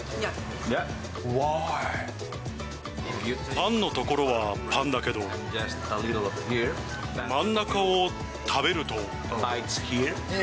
パンの所はパンだけど、真ん中を食べると。